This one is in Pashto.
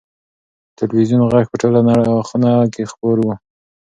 د تلویزون غږ په ټوله خونه کې خپور و.